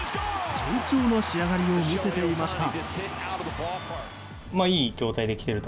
順調な仕上がりを見せていました。